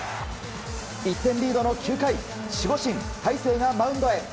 １点リードの９回守護神・大勢がマウンドへ。